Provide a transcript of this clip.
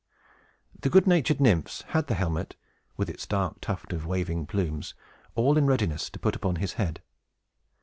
The good natured Nymphs had the helmet, with its dark tuft of waving plumes, all in readiness to put upon his head.